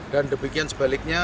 dan demikian sebaliknya